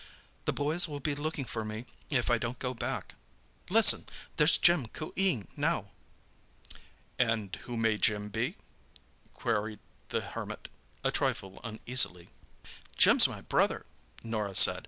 "The boys will be looking for me, if I don't go back. Listen—there's Jim coo eeing now!" "And who may Jim be?" queried the Hermit, a trifle uneasily. "Jim's my brother," Norah said.